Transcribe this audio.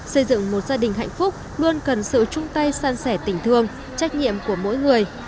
xây dựng một gia đình hạnh phúc luôn cần sự chung tay san sẻ tình thương trách nhiệm của mỗi người